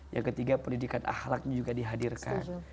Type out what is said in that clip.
yang ketiga pendidikan ahlaknya juga dihadirkan